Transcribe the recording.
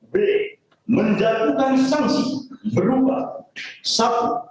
b menjatuhkan sanksi berupa